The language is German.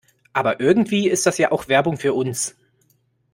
Aber irgendwie ist das ja auch Werbung für uns.